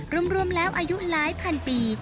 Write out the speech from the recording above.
รวมแล้วอายุหลายพันปี